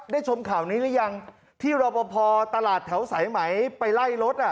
ได้ชมข้าวอีกหรือยังที่รบประพอตลาดแถวไสเหมยไปไล่ลด